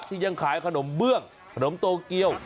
ยังขายขนมเบื้องขนมโตเกียว